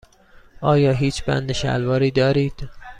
آیا هیچ بند شلواری دارید؟